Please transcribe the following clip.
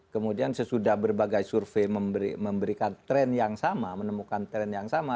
kemudian sesudah berbagai survei memberikan tren yang sama menemukan tren yang sama